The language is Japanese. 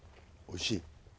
おいしい？